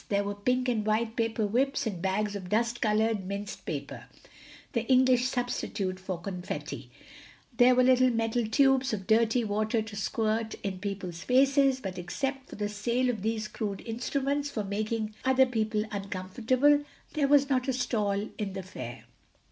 There were pink and white paper whips and bags of dust colored minced paper—the English substitute for confetti—there were little metal tubes of dirty water to squirt in people's faces, but except for the sale of these crude instruments for making other people uncomfortable there was not a stall in the fair.